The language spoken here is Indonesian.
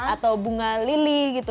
atau bunga lili gitu